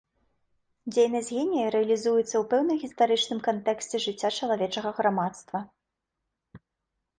Дзейнасць генія рэалізуецца ў пэўным гістарычным кантэксце жыцця чалавечага грамадства.